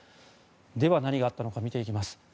では、何があったか見ていきます。